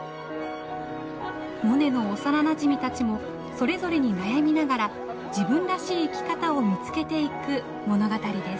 モネの幼なじみたちもそれぞれに悩みながら自分らしい生き方を見つけていく物語です。